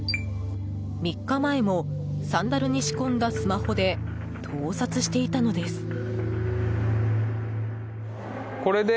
３日前もサンダルに仕込んだスマホで盗撮していたのです。